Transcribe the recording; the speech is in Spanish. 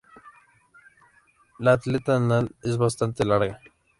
La aleta anal es bastante larga.